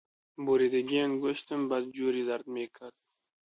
بریدگی انگشتم بدجوری درد میکرد.